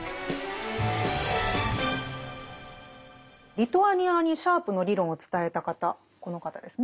リトアニアにシャープの理論を伝えた方この方ですね